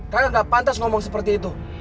karena gak pantas ngomong seperti itu